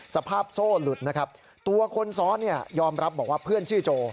สภาพโซ่หลุดนะครับตัวคนซ้อนเนี่ยยอมรับบอกว่าเพื่อนชื่อโจ